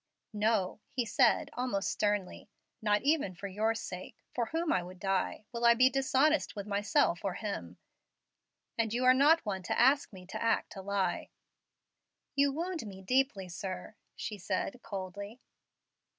"No," he said, almost sternly; "not even for your sake, for whom I would die, will I be dishonest with myself or him; and you are not one to ask me to act a lie." "You wound me deeply, sir!" she said, coldly.